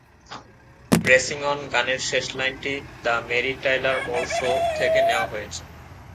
"Pressing On" গানের শেষ লাইনটি "The Mary Tyler Moore Show" থেকে নেওয়া হয়েছে।